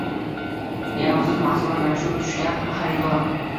Yaroqsiz mahsulot va chuv tushgan haridorng